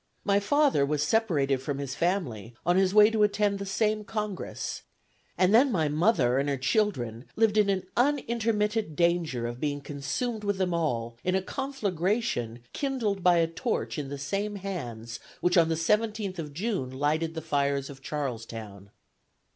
My father was separated from his family on his way to attend the same congress, and then my mother and her children lived in unintermitted danger of being consumed with them all in a conflagration kindled by a torch in the same hands which on the 17th of June lighted the fires of Charlestown."